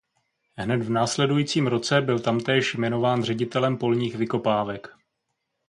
Hned v následujícím roce byl tamtéž jmenován ředitelem polních vykopávek.